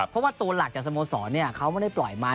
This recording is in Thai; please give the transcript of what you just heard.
เพราะว่าตัวหลักจากสโมสรเขาไม่ได้ปล่อยมา